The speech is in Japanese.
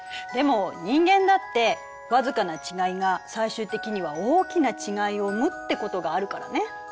でも人間だってわずかな違いが最終的には大きな違いを生むってことがあるからね。